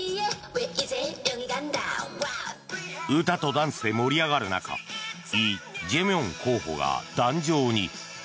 歌とダンスで盛り上がる中イ・ジェミョン候補が壇上に。